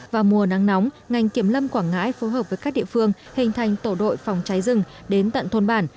vào mùa nắng nóng ngành kiểm lâm quảng ngãi phù hợp với các địa phương hình thành tổ đội phòng cháy rừng đến tận thôn bản